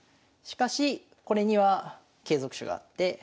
しかしこれには継続手があって。